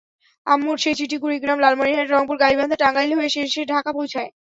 আম্মুর সেই চিঠি কুড়িগ্রাম, লালমনিরহাট, রংপুর, গাইবান্ধা, টাঙ্গাইল হয়ে শেষে ঢাকা পৌঁছায়।